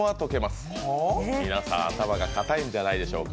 皆さん頭が固いんじゃないでしょうか。